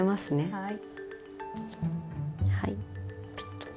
はい。